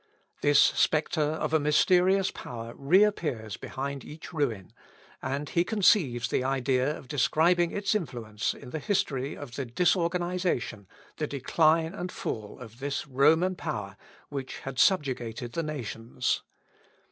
This spectre of a mysterious power reappears behind each ruin, and he conceives the idea of describing its influence in the history of the disorganisation, the decline and fall of this Roman power, which had subjugated the nations.